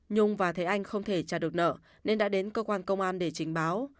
nhung và thế anh không thể trả được nợ nên đã đến cơ quan công an để trình báo